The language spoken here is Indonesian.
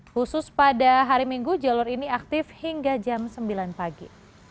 khusus pada hari minggu jalur ini aktif hingga jam sembilan pagi